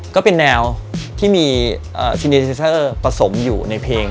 ก็เป็นแนวที่มีซีนาเซสเซอร์ประสงค์อยู่ในเพลง